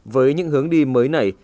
với những hướng đi mới này